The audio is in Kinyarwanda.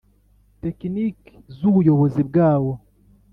Tekinike n’izubuyobozi bwawo.